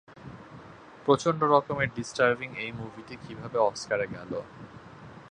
প্রচন্ড রকমের ডিস্টার্বিং এই মুভিটি কিভাবে অস্কারে গেল?